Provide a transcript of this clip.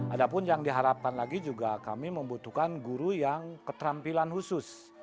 ada pun yang diharapkan lagi juga kami membutuhkan guru yang keterampilan khusus